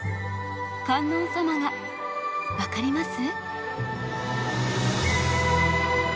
観音様が分かります？